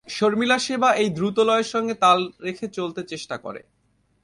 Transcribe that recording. শর্মিলার সেবা এই দ্রুতলয়ের সঙ্গে তাল রেখে চলতে চেষ্টা করে।